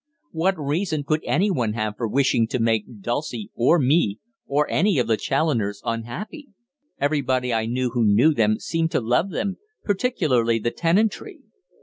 What reason could anyone have for wishing to make Dulcie, or me, or any of the Challoners, unhappy? Everybody I knew who knew them seemed to love them, particularly the tenantry.